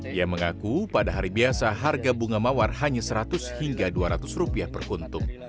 ia mengaku pada hari biasa harga bunga mawar hanya seratus hingga dua ratus rupiah per kuntung